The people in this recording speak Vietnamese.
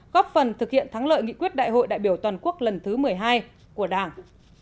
góp phần thực hiện thắng lợi nghị quyết đại hội đại biểu toàn quốc lần thứ một mươi hai của đảng